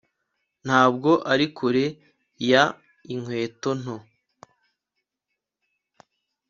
Ntabwo ari kure ya inkweto nto